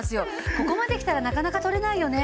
ここまできたらなかなか取れないよね。